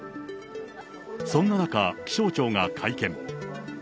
そんな中、気象庁が会見。